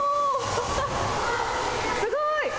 すごい！